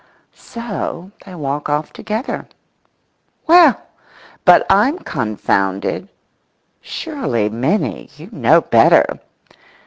So they walk off together. Well, but I'm confounded.… Surely, Minnie, you know better!